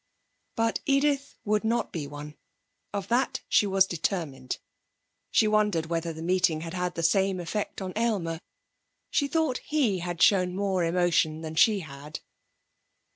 But Edith would not be one, of that she was determined. She wondered whether their meeting had had the same effect on Aylmer. She thought he had shown more emotion than she had.